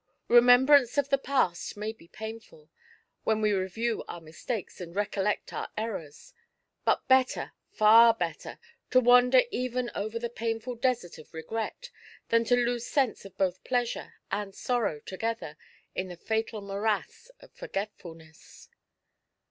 Kemem brance of the past may be painful, when we review our mistakes and recollect our errors ; but better, far better, FAIR GRATITUDE. 115 to wander 6ven over the painful desert of Regret, than to lose sense of both pleasure and sorrow together in the fatal morass of Forgetfulness.